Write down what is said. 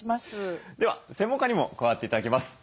では専門家にも加わって頂きます。